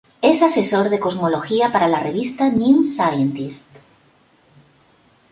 Es asesor de cosmología para la revista "New Scientist".